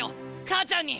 母ちゃんに！